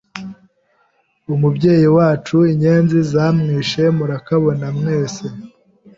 Umubyeyi wacu Inyenzi zamwishe murakabona mwese,